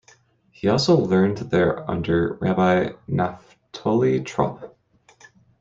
He also learned there under Rabbi Naftoli Trop.